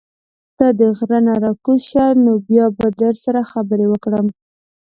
ته د غرۀ نه راکوز شه نو بيا به در سره خبرې وکړم